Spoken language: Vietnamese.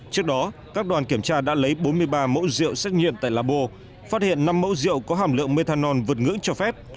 trước đó các đoàn kiểm tra đã lấy bốn mươi ba mẫu rượu xét nghiệm tại labo phát hiện năm mẫu rượu có hàm lượng methanol vượt ngưỡng cho phép